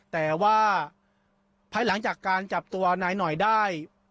แต่ว่าภายหลังจากการจับตัวนายหน่อยได้